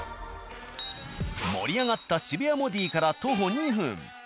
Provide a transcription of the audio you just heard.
盛り上がった渋谷ＭＯＤＩから徒歩２分。